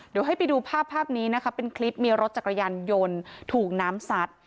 เดี๋ยวให้ไปดูภาพภาพนี้นะคะเป็นคลิปมีรถจักรยานยนต์ถูกน้ำซัด